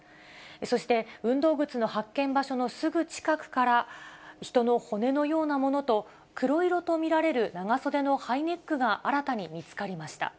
そして、運動靴の発見場所のすぐ近くから、人の骨のようなものと、黒色と見られる長袖のハイネックが、新たに見つかりました。